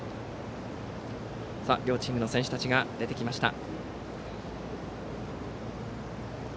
両チームの選手たちが出てきました。